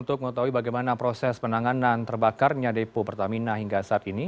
untuk mengetahui bagaimana proses penanganan terbakarnya depo pertamina hingga saat ini